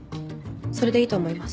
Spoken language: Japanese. それでいいと思います。